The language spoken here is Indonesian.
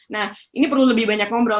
nah ini perlu lebih banyak ngobrol